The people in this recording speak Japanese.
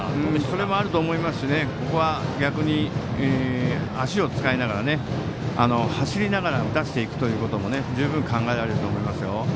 それもあると思いますしここは逆に足を使いながら走りながら打たせていくことも十分考えられますよ。